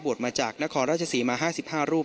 บวดมาจากนครราชสีมา๕๕รูป